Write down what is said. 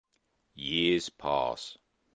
Years pass.